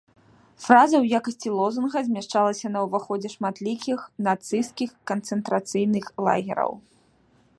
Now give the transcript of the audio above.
Фраза ў якасці лозунга змяшчалася на ўваходзе шматлікіх нацысцкіх канцэнтрацыйных лагераў.